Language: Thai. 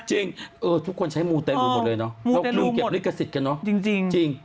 จริงทุกคนใช้มูเต๊ดรูหมดเลยเนอะลองเก็บริกศิษย์กันเนอะจริง